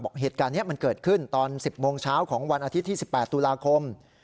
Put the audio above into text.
เหตุการณ์นี้มันเกิดขึ้นตอน๑๐โมงเช้าของวันอาทิตย์ที่๑๘ตุลาคม